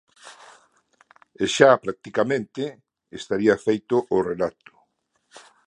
E xa practicamente estaría feito o relato.